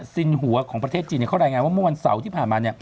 สินหัวของประเทศจีนเขารายงานว่าเมื่อวันเสาร์ที่ผ่านมา